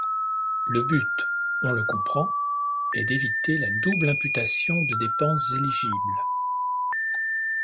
Le but, on le comprend, est d’éviter la double imputation de dépenses éligibles.